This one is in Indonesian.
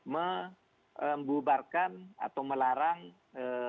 membubarkan atau melarang perubahan